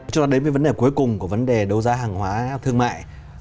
chúng ta đến với vấn đề cuối cùng của vấn đề đấu giá hàng hóa thương mại